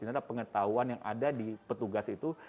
ini adalah pengetahuan yang ada di petugas itu